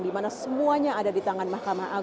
dimana semuanya ada di tangan ma